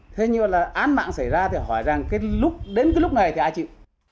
thế như vậy là án mạng xảy ra thì hỏi rằng đến cái lúc này thì ai chịu